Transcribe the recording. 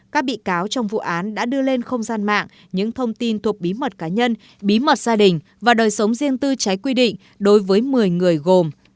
các bị cáo trong vụ án đã đưa lên không gian mạng những thông tin thuộc bí mật cá nhân bí mật gia đình và đời sống riêng tư trái quy định đối với một mươi người gồm